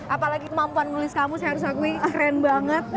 apalagi kemampuan nulis kamu saya harus akui keren banget